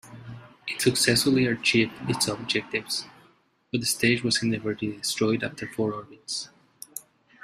It successfully achieved its objectives, but the stage was inadvertently destroyed after four orbits.